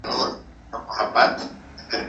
د ناروغ اړول په بستر کي ولي اړین دي؟